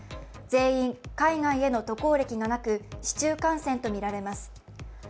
全員、海外への渡航歴がなく市中感染とみられます。